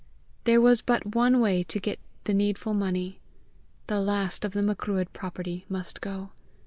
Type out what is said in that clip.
For there was but one way to get the needful money: the last of the Macruadh property must go!